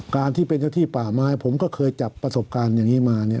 การที่เป็นเจ้าที่ป่าไม้ผมก็เคยจับประสบการณ์อย่างนี้มาเนี่ย